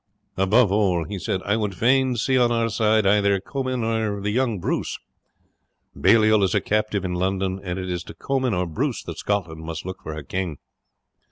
"Above all," he said, "I would fain see on our side either Comyn or the young Bruce. Baliol is a captive in London, and it is to Comyn or Bruce that Scotland must look for her king.